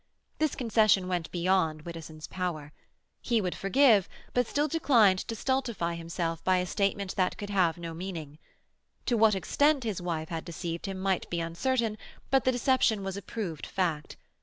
This concession went beyond Widdowson's power; he would forgive, but still declined to stultify himself by a statement that could have no meaning. To what extent his wife had deceived him might be uncertain, but the deception was a proved fact.